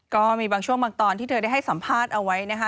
ก็มีบางช่วงบางตอนที่เธอได้ให้สัมภาษณ์เอาไว้นะคะ